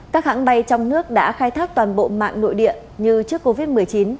các hãng bay trong nước đã khai thác toàn bộ mạng nội địa như trước covid một mươi chín